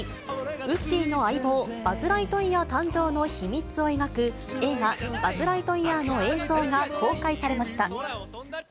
ウッディの相棒、バズ・ライトイヤー誕生の秘密を描く、映画、バズ・ライトイヤーの映像が公開されました。